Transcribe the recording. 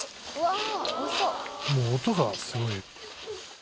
もう音がすごい。